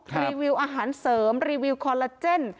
รีวิวอาหารเสริมรีวิวคอลลาเจน